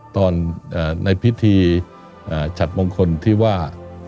ในพิธีฉัดมงคลที่ว่า